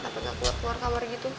tapi nggak keluar keluar kamar gitu